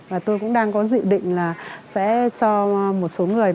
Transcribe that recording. và tôi cũng đang có dự định là sẽ cho một số người